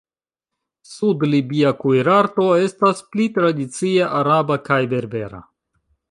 Sud-libia kuirarto estas pli tradicie araba kaj berbera.